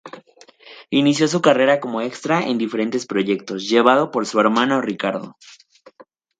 Inició su carrera como extra en diferentes proyectos llevado por su hermano Ricardo.